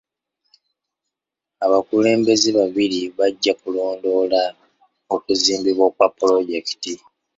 Abakulembeze babiri bajja kulondoola okuzimbibwa kwa pulojekiti.